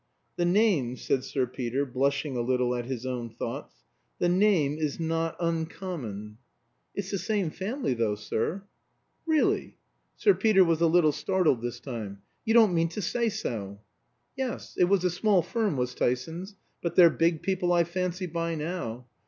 "The name," said Sir Peter, blushing a little at his own thoughts, "the name is not uncommon." "It's the same family, though, sir." "Really " Sir Peter was a little startled this time "you don't mean to say " "Yes. It was a small firm, was Tyson's. But they're big people, I fancy, by now.